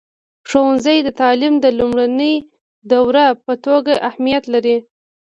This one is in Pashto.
ښوونځی د تعلیم د لومړني دور په توګه اهمیت لري.